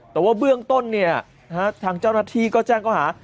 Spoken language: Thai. แต่ว่าเบื้องต้นเนี่ยทางเจ้าหน้าที่ก็แจ้งเขาหา